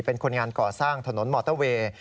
เป็นคนงานก่อสร้างถนนมอเตอร์เวย์